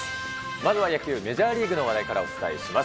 まずは野球、メジャーリーグの話題からお伝えします。